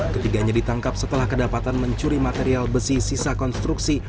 ketiganya ditangkap setelah kedapatan mencuri material besi sisa konstruksi